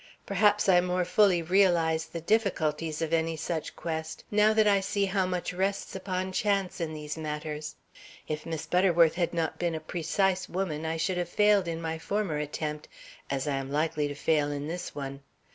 Perhaps I more fully realize the difficulties of any such quest, now that I see how much rests upon chance in these matters. If Miss Butterworth had not been a precise woman, I should have failed in my former attempt, as I am likely to fail in this one.